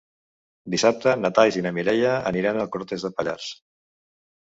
Dissabte na Thaís i na Mireia aniran a Cortes de Pallars.